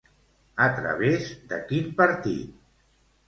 A través de quin partit?